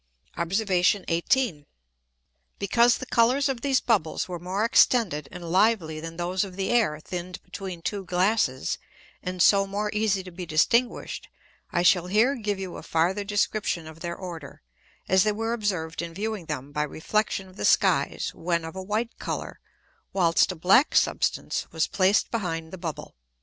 Obs. 18. Because the Colours of these Bubbles were more extended and lively than those of the Air thinn'd between two Glasses, and so more easy to be distinguish'd, I shall here give you a farther description of their order, as they were observ'd in viewing them by Reflexion of the Skies when of a white Colour, whilst a black substance was placed behind the Bubble.